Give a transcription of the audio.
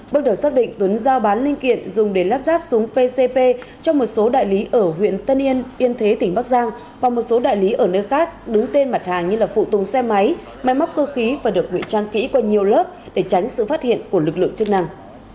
bước đầu xác định tuấn giao bán linh kiện dùng để lắp ráp súng pcp cho một số đại lý ở huyện tân yên yên thế tỉnh bắc giang và một số đại lý ở nơi khác đứng tên mặt hàng như là phụ tùng xe máy máy móc cơ khí và được nguy trang kỹ qua nhiều lớp để tránh sự phát hiện của lực lượng chức năng